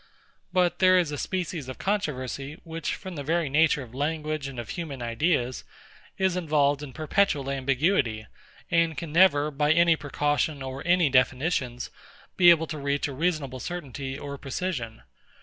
But there is a species of controversy, which, from the very nature of language and of human ideas, is involved in perpetual ambiguity, and can never, by any precaution or any definitions, be able to reach a reasonable certainty or precision.